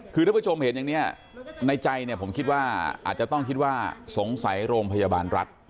คือท่านผู้ชมเห็นอย่างนี้ในใจเนี่ยผมคิดว่าอาจจะต้องคิดว่าสงสัยโรงพยาบาลรัฐ